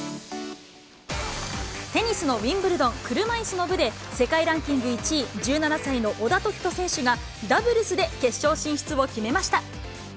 テニスのウィンブルドン車いすの部で、世界ランキング１位、１７歳の小田凱人選手が、ダブルスで決勝進出を決めました。